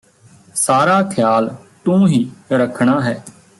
ਸਾਰਾ ਖਿਆਲ ਤੂੰ ਹੀ ਰੱਖਣਾ ਹੈ